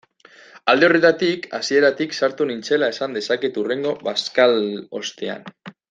Alde horretatik, hasieratik sartu nintzela esan dezaket hurrengo bazkalostean.